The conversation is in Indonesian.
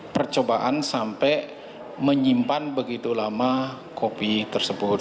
percobaan sampai menyimpan begitu lama kopi tersebut